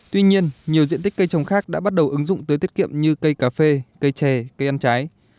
tuy nhiên nhiều diện tích cây trồng khác đã bắt đầu ứng dụng tới tiết kiệm như cây cà phê cây chè cây ăn trái